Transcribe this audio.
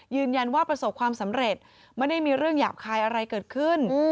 ประสบความสำเร็จไม่ได้มีเรื่องหยาบคายอะไรเกิดขึ้น